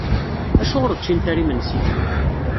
Acuɣer ur ččint ara imensi?